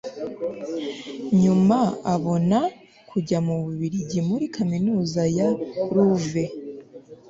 nyuma abona kujya mu bubiligi muri kaminuza ya luve